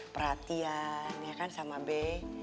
perhatian ya kan sama b